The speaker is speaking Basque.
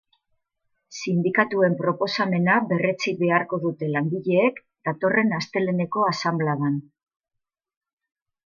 Sindikatuen proposamena berretsi beharko dute langileek datorren asteleheneko asanbladan.